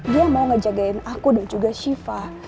dia mau ngejagain aku dan juga shiva